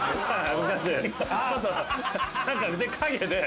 昔。